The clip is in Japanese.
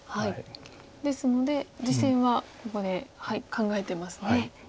ですので実戦はここで考えてますね。